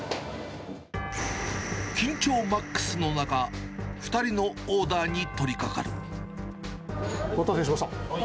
緊張マックスの中、２人のオお待たせしました。